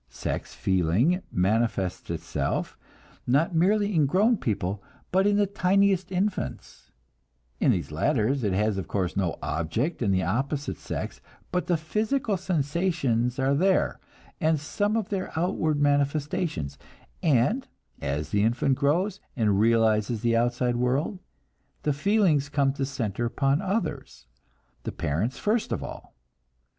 Sex feeling manifests itself, not merely in grown people, but in the tiniest infants; in these latter it has of course no object in the opposite sex, but the physical sensations are there, and some of their outward manifestations; and as the infant grows, and realizes the outside world, the feelings come to center upon others, the parents first of all.